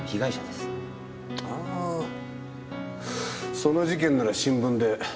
ああその事件なら新聞で。